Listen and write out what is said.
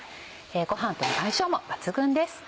ご飯との相性も抜群です。